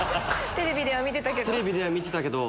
テレビでは見てたけど。